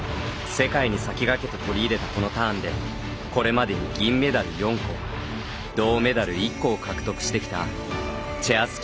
世界に先駆けて取り入れたこのターンでこれまでに銀メダル４個銅メダル１個を獲得してきたチェア